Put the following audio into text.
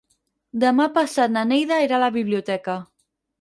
Demà passat na Neida irà a la biblioteca.